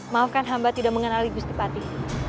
maafkan hamba tidak mengenali gusti patih